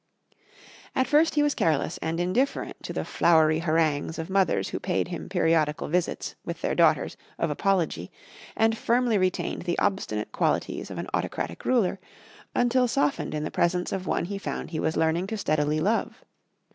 At first he was careless and indifferent to the flowery harangues of mothers who paid him periodical visits, with their daughters, of apology, and firmly retained the obstinate qualities of an autocratic ruler, until softened in the presence of one he found he was learning to steadily love.